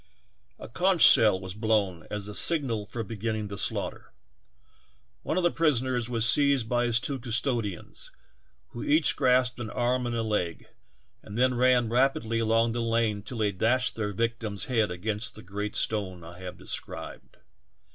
" A conch shell was blown as the signal for begin ning the slaughter. One of the prisoners was seized by his two custodians, who each grasped an arm and a leg and then ran rapidly along the lane ns TIIK TALKtNC HANDKERCnil?!^. till they dashed their victim's head against the great stone I have described.